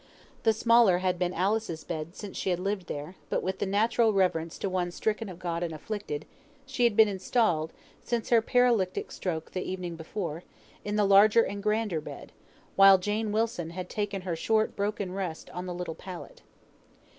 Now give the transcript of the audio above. The smaller had been Alice's bed since she had lived there; but with the natural reverence to one "stricken of God and afflicted," she had been installed since her paralytic stroke the evening before in the larger and grander bed, while Jane Wilson had taken her short broken rest on the little pallet.